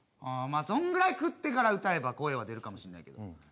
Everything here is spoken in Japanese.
そのくらい食ってから歌えば声は出るかもしれないけど。